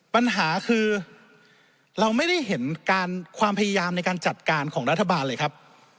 ปัญหาคือเราไม่ได้เห็นการความพยายามในการจัดการของรัฐบาลเลยครับ